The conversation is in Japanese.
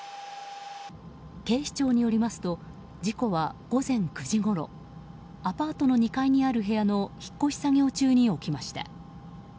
警視庁によりますと事故は午前９時ごろアパートの２階にある部屋の引っ越し作業中に起きました。